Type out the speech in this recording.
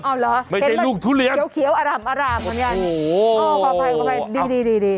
เอาเหรอเป็นแบบเกียวอร่ามอย่างนี้โอ้โหพอไปดี